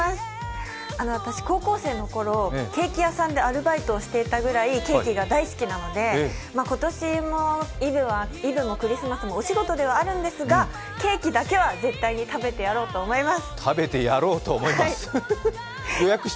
私、高校生の頃、ケーキ屋さんでバイトしていたほどケーキが大好きなので今年はイブもクリスマスもお仕事ではあるんですが、ケーキだけは絶対に食べてやろうと思います。